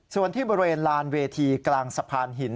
ส่วนที่บริเวณลานเวทีกลางสะพานหิน